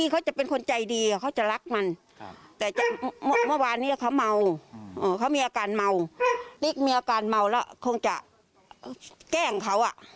เขามีอาการเมาติ๊กมีอาการเมาแล้วคงจะแกล้งเขาอะ